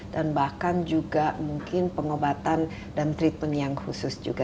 dan bahkan juga mungkin pengobatan dan treatment yang khusus juga